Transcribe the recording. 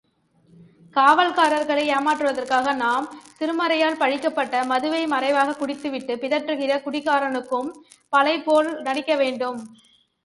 காவல்காரர்களை ஏமாற்றுவதற்காக நாம், திருமறையால் பழிக்கப்பட்ட மதுவை மறைவாகக் குடித்துவிட்டுப் பிதற்றுகிற குடிகாரக்கும்பலைப்போல் நடிக்க வேண்டும்.